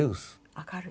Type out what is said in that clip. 明るい。